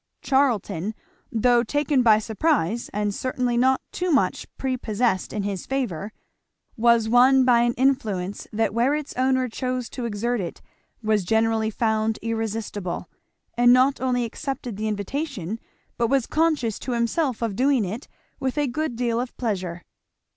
Charlton, though taken by surprise, and certainly not too much prepossessed in his favour, was won by an influence that where its owner chose to exert it was generally found irresistible; and not only accepted the invitation, but was conscious to himself of doing it with a good deal of pleasure.